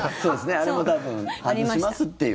あれも多分、外しますっていう。